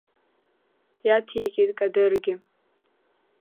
Иаҭеикит Кадыргьы.